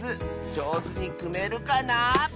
じょうずにくめるかな？